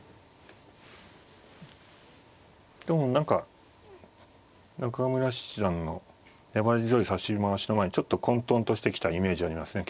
でも何か中村七段の粘り強い指し回しの前にちょっと混とんとしてきたイメージありますね。